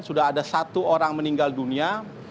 sudah ada satu orang meninggal dunia